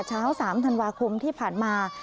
เช้า๓ธันวาคมที่ผ่านมา